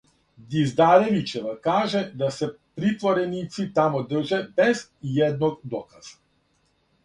Диздаревићева каже да се притвореници тамо држе без иједног доказа.